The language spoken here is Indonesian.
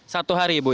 satu hari ibu ya